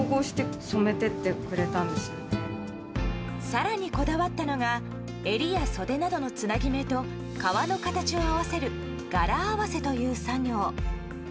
更にこだわったのが襟や袖などのつなぎ目と革の形を合わせる柄合わせという作業。